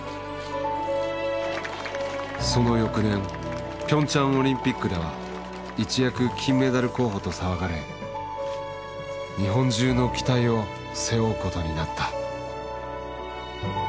その翌年ピョンチャンオリンピックでは一躍金メダル候補と騒がれ日本中の期待を背負うことになった。